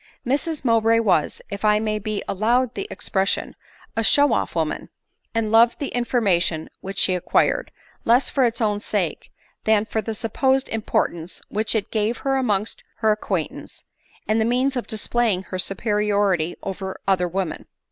Mrs Mowbray was, if I may be allowed the expres sion, a showing off woman, and loved the information which she acquired, less for its own sake* than for the supposed importance which it gave her amongst her ac quaintance, and the means of displaying her superiority over other women.